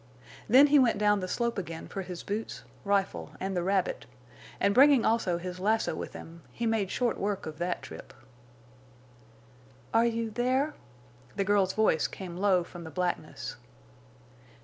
Then he went down the slope again for his boots, rifle, and the rabbit, and, bringing also his lasso with him, he made short work of that trip. "Are—you—there?" The girl's voice came low from the blackness.